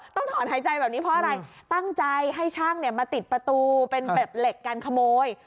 ถอนหายใจแบบนี้เพราะอะไรตั้งใจให้ช่างมาติดประตูเป็นแบบเหล็กการขโมย